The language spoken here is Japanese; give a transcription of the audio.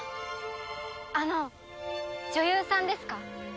あの女優さんですか？